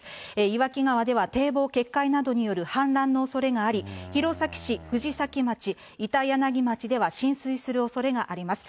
岩木川では堤防決壊などによる氾濫のおそれがあり、弘前市、ふじさき町、いたやなぎ町では、浸水するおそれがあります。